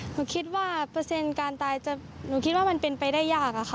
หนูคิดว่าเปอร์เซ็นต์การตายหนูคิดว่ามันเป็นไปได้ยากอะค่ะ